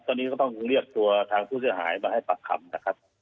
ตอนนี้ก็ต้องเรียกตัวทางผู้เสียหายมาให้ปากคำนะครับ